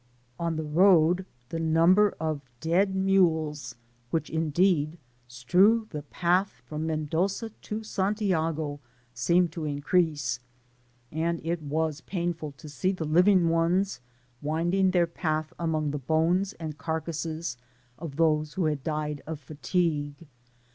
On the road, the number of dead mules, which indeed strew the path from Mendoza to Santiago, seemed to increase, and it was painful to see the living ones winding their path among the bones • and carcasses of those who had died of fatigue.